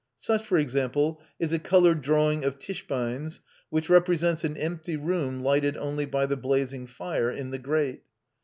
Such, for example, is a coloured drawing of Tischbein's, which represents an empty room, lighted only by the blazing fire in the grate.